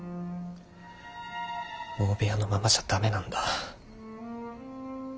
大部屋のままじゃ駄目なんだ。